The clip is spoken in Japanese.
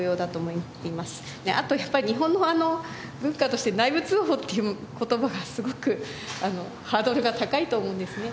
あとやっぱり日本の文化として内部通報っていう言葉がすごくハードルが高いと思うんですね。